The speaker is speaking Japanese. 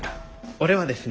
俺はですね